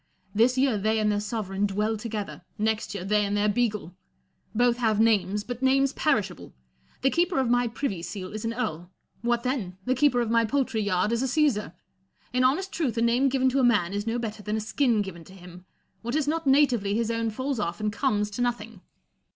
This year they and their sovereign dwell together ; next year, they and their beagle. Both have names, but names perishable. The keeper of my privy seal is an earl : what then 1 the keeper of my poultry yard is a Caesar. In honest truth, a name given to a man is no better than a skin given to him ; what is not natively his own falls off and comes to nothing.